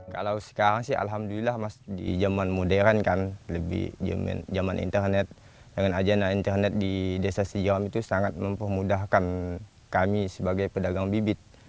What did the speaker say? kalau sekarang sih alhamdulillah mas di zaman modern kan lebih zaman internet dengan ajana internet di desa sijam itu sangat mempermudahkan kami sebagai pedagang bibit